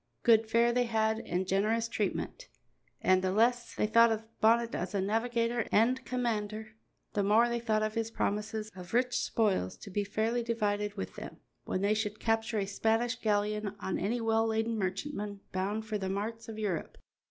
Good fare they had and generous treatment, and the less they thought of Bonnet as a navigator and commander, the more they thought of his promises of rich spoils to be fairly divided with them when they should capture a Spanish galleon or any well laden merchantman bound for the marts of Europe.